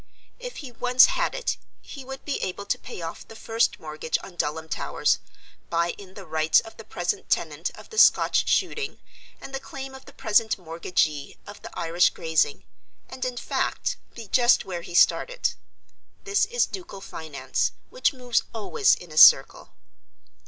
If he once had it he would be able to pay off the first mortgage on Dulham Towers, buy in the rights of the present tenant of the Scotch shooting and the claim of the present mortgagee of the Irish grazing, and in fact be just where he started. This is ducal finance, which moves always in a circle.